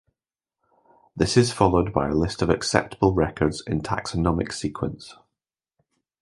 This is followed by a list of accepted records in taxonomic sequence.